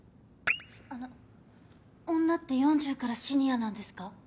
あの女って４０からシニアなんですか？